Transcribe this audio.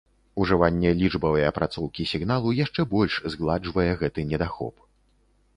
Ужыванне лічбавай апрацоўкі сігналу яшчэ больш згладжвае гэты недахоп.